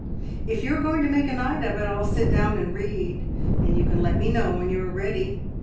`If you are going to make a night of it, I'll sit down and read, and you can let me know when you are ready.'